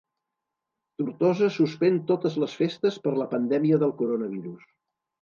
Tortosa suspèn totes les festes per la pandèmia del coronavirus